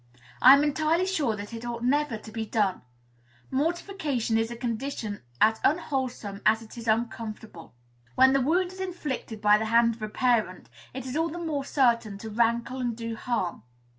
I am entirely sure that it ought never to be done. Mortification is a condition as unwholesome as it is uncomfortable. When the wound is inflicted by the hand of a parent, it is all the more certain to rankle and do harm.